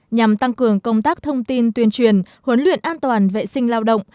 nhằm tăng cường công tác thông tin tuyên truyền huấn luyện an toàn vệ sinh lao động